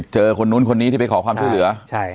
คนนู้นคนนี้ที่ไปขอความช่วยเหลือ